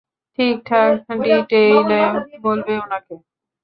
ঠিকঠাক ডিটেইলে বলবে ওনাকে।